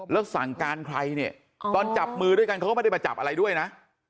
แล้วสั่งการใครเนี่ยตอนจับมือด้วยกันเขาก็ไม่ได้มาจับอะไรด้วยนะ